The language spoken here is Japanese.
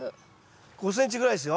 ５ｃｍぐらいですよ。